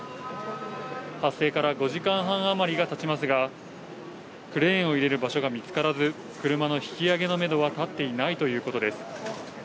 発生から５時間半あまりがたちますが、クレーンを入れる場所が見つからず車の引き上げのめどは立っていないということです。